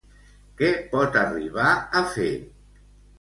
Què pot arribar a fer?